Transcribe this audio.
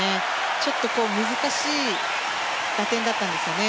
ちょっと難しい打点だったんですかね。